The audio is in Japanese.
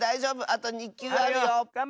あと２きゅうあるよ！